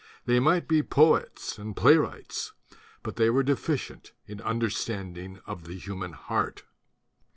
They might be poets and playwrights; but they were deficient in understanding of the human heart.